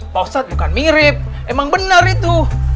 pak ustadz bukan mirip emang benar itu